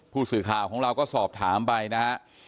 ผู้สื่อข่าวของเราก็สอบถามไปนะฮะ